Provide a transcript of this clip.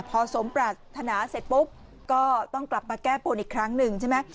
พอสมปรารถนาเสร็จปุ๊บก็ต้องกลับมาแก้บนอีกครั้งหนึ่งใช่ไหม